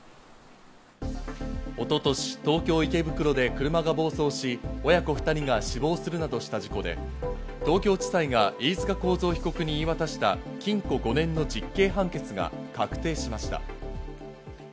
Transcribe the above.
一昨年、東京・池袋で車が暴走し、親子２人が死亡するなどした事故で東京地裁が飯塚幸三被告に言い渡した禁錮５年の実刑判決が確定しました。